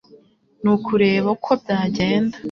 Ni ukureba uko byagenda